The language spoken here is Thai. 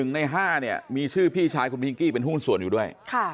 ใน๕เนี่ยมีชื่อพี่ชายคุณพิงกี้เป็นหุ้นส่วนอยู่ด้วย